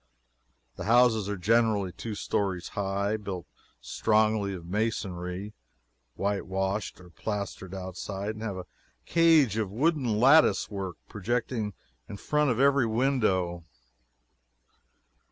The houses are generally two stories high, built strongly of masonry, whitewashed or plastered outside, and have a cage of wooden lattice work projecting in front of every window.